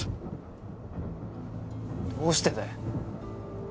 どうしてだよ？